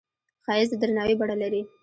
ښایست د درناوي بڼه لري